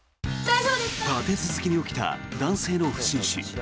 立て続けに起きた男性の不審死。